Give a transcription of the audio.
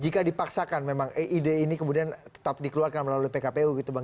jika dipaksakan memang ide ini kemudian tetap dikeluarkan melalui pkpu gitu bang